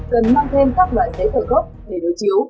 cần mang thêm các loại giấy tờ gốc để đối chiếu